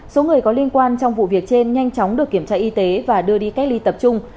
số người có liên quan trong vụ việc trên nhanh chóng được kiểm tra y tế và đưa đi cách ly tập trung